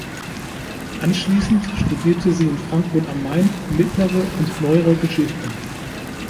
Anschließend studierte sie in Frankfurt am Main Mittlere und Neuere Geschichte.